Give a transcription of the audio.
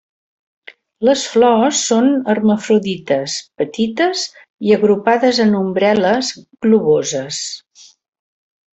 Les flors són hermafrodites, petites i agrupades en umbel·les globoses.